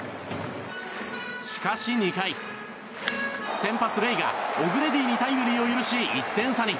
しかし２回先発、レイがオグレディにタイムリーを許し１点差に。